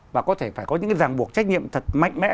và có thể phải có những cái ràng buộc trách nhiệm thật mạnh mẽ